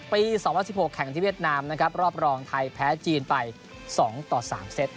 ปี๒๐๑๖แข่งที่เวียดนามนะครับรอบรองไทยแพ้จีนไป๒ต่อ๓เซต